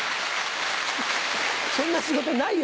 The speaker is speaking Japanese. そんな仕事ないよ！